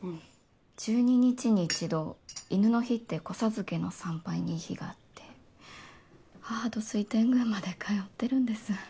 １２日に一度戌の日って子授けの参拝にいい日があって義母と水天宮まで通ってるんです。